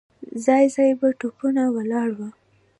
ځای ځای به توپونه ولاړ وو.